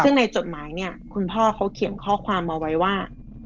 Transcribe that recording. ซึ่งในจดหมายเนี่ยคุณพ่อเขาเขียนข้อความมาไว้ว่า